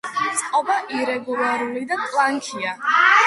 წყობა ირეგულარული და ტლანქია.